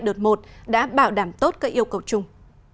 đợt một đã bảo đảm tốt các yêu cầu chung